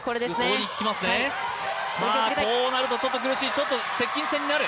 こうなるとちょっと苦しい、接近戦になる。